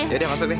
ya udah masuk deh